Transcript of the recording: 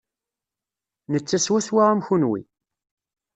Netta swaswa am kenwi.